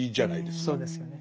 そうですよね。